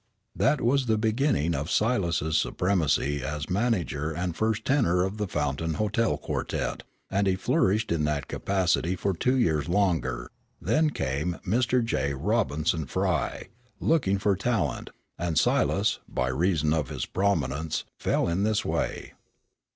That was the beginning of Silas's supremacy as manager and first tenor of the Fountain Hotel Quartet, and he flourished in that capacity for two years longer; then came Mr. J. Robinson Frye, looking for talent, and Silas, by reason of his prominence, fell in this way.